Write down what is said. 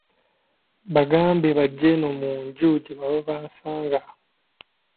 Bagambe bajje eno mu nju gye baba bansanga.